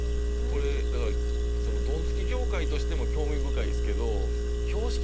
これだからドンツキ協会としても興味深いですけど。